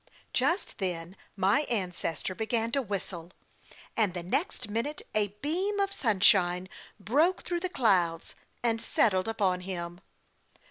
"Just then my ancestor began to whistle, and the next minute a beam of sunshine broke through the clouds and settled upon him.